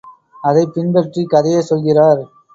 அதைப் பின் பற்றிக் கதையைச் சொல்கிறார்.